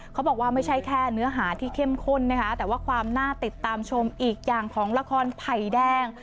เขาบอกว่าไม่ใช่แค่เนื้อหาที่เข้มข้นนะคะแต่ว่าความน่าติดตามชมอีกอย่างของละครไผ่แดง